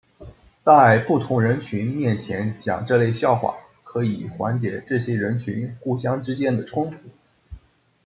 在不同人群面前讲这类笑话可以缓解这些人群互相之间的冲突。